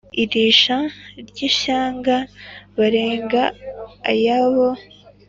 iri sha ry ' ishyanga barenga ayabo,